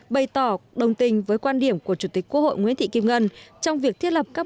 bày tỏ đồng tình với quan điểm của chủ tịch quốc hội nguyễn thị kim ngân trong việc thiết lập các